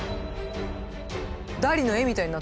ダリの絵みたいになった。